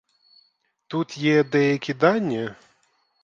Тут є деякі дані.